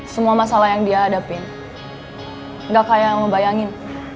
semua masalah yang dia hadapin gak kayak yang lo bayangin